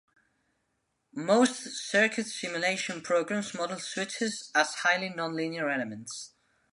Most circuit simulation programs model switches as highly nonlinear elements.